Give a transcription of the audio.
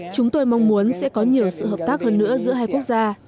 chúng tôi mong muốn sẽ có nhiều sự hợp tác hơn nữa giữa hai quốc gia